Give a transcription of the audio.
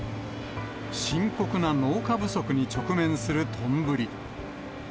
深刻な農家不足に直面するとんぶり。